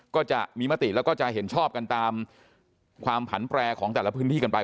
ก็จะมีมติแล้วก็จะเห็นชอบกันตามความผันแปรของแต่ละพื้นที่กันไป